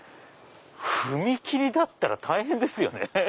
踏切だったら大変ですよね。